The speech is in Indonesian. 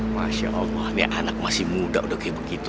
masya allah ini anak masih muda udah kayak begitu